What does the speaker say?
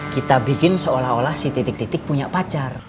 kita bikin seolah olah si titik titik punya pacar